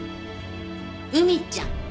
海ちゃん。